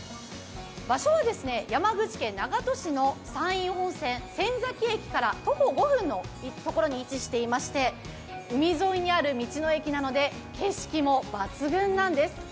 場所は山口県長門市の山陰本線・仙崎駅から徒歩５分のところに位置していまして、海沿いにある道の駅なので景色も抜群なんです。